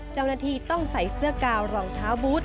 เจ้าหน้าที่ต้องใส่เสื้อกาวรองเท้าบูธ